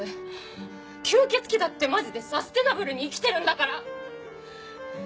吸血鬼だってマジでサステナブルに生きてるんだから。